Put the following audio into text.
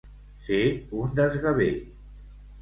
Ser un desgavell.